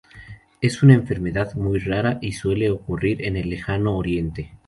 Es una enfermedad muy rara y suele ocurrir en el Lejano Oriente.